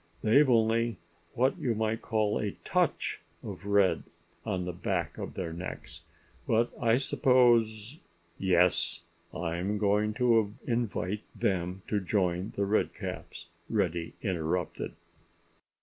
They've only what you might call a touch of red on the backs of their necks; but I suppose——" "Yes! I'm going to invite them to join The Redcaps," Reddy interrupted.